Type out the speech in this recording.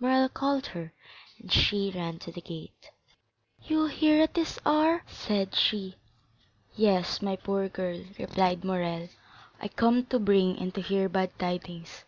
Morrel called her, and she ran to the gate. "You here at this hour?" said she. "Yes, my poor girl," replied Morrel; "I come to bring and to hear bad tidings."